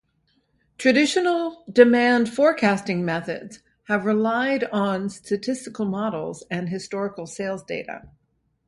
Traditional demand forecasting methods have relied on statistical models and historical sales data.